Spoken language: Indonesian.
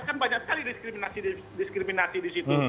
kan banyak sekali diskriminasi diskriminasi di situ